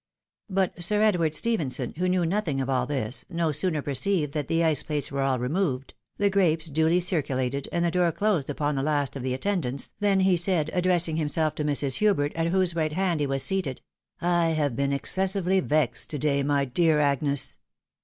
But Sir Edward Stephenson, who knew nothing of all this, no sooner perceived that the ice plates were all removed, the grapes duly circulated, and the door closed upon the last of the attendants, than he said, addressing himself to Mrs. Hubert, at whose right hand he was seated, " I have been excessively vexed to day, my dear Agnes